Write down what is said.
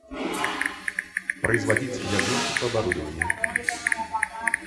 Производить диагностику оборудования